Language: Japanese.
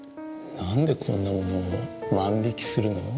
何でこんなものを万引きするの？